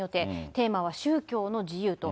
テーマは宗教の自由と。